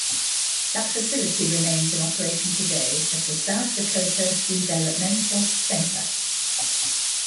That facility remains in operation today as the South Dakota Developmental Center.